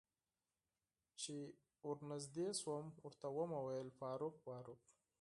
چې ور نږدې شوم ورته مې وویل: فاروق، فاروق.